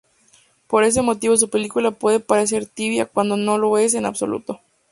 Por ese motivo su película puede parecer tibia cuando no lo es en absoluto.